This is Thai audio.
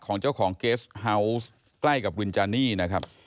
ของเจ้าของเกสเฮาวส์ใกล้กับวินจานี่นะครับ